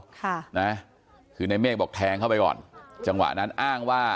ค่ะนะคือในเมฆบอกแทงเข้าไปก่อนจังหวะนั้นอ้างว่า